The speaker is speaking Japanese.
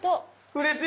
うれしい！